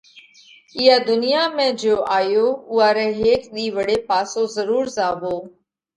اِيئا ڌُنيا ۾ جيو آيو اُوئا رئہ هيڪ ۮِي وۯي پاسو ضرور زاوَو۔